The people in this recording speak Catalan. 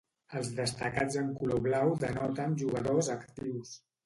Els destacats en color blau denoten jugadors actius.